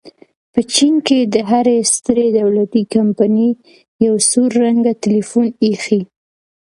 په چین کې د هرې سترې دولتي کمپنۍ یو سور رنګه ټیلیفون ایښی.